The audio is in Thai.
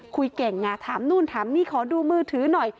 คุยเก่งไงถามนู่นถามนี่ขอดูมือถือหน่อย